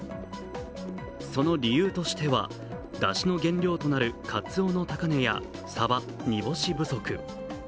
その理由としてはだしの原料となるかつおの高値やさば、煮干し不足。